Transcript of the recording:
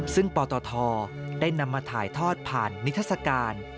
ซึ่งปตทได้นำมาถ่ายทอดผ่านนิทัศกาล